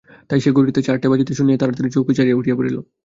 তাই সে ঘড়িতে চারটে বাজিতে শুনিয়া তাড়াতাড়ি চৌকি ছাড়িয়া উঠিয়া পড়িল।